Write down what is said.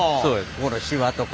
ここのシワとか。